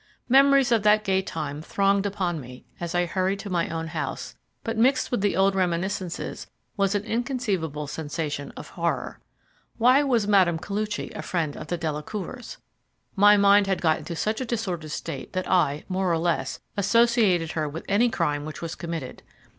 Memories of that gay time thronged upon me as I hurried to my own house, but mixed with the old reminiscences was an inconceivable sensation of horror. Why was Mme. Koluchy a friend of the Delacours? My mind had got into such a disordered state that I, more or less, associated her with any crime which was committed.